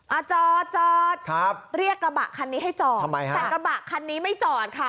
จอดจอดครับเรียกกระบะคันนี้ให้จอดทำไมฮะแต่กระบะคันนี้ไม่จอดค่ะ